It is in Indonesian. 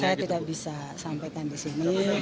saya tidak bisa sampaikan di sini